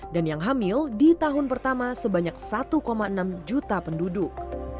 dan yang hamil di tahun pertama sebanyak satu enam juta penduduk